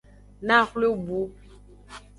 Naxwle bu.